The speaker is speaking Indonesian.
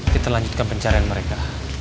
kita lanjutkan pencarian mereka